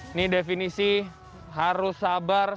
ini definisi harus sabar sampai selesai